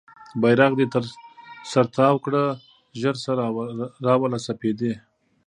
بیرغ دې تر سر تاو کړه ژر شه راوله سپیدې